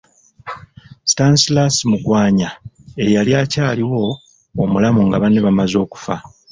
Stanislas Mugwanya eyali akyaliwo omulamu nga banne bamaze okufa.